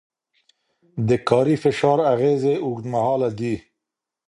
د کاري فشار اغېزې اوږدمهاله دي.